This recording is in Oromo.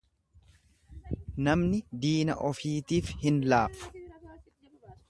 Namni diina ofiitiif hin laafu.